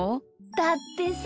だってさ